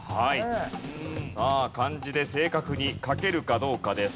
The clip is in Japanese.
さあ漢字で正確に書けるかどうかです。